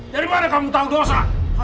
dari mana kamu tahu dosa